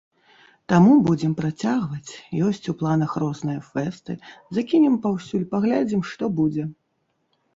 Таму будзем працягваць, ёсць у планах розныя фэсты, закінем паўсюль, паглядзім, што будзе.